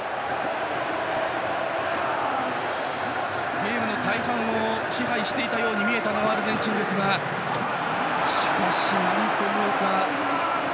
ゲームの大半を支配していたように見えたのはアルゼンチンでしたがしかし、なんというか。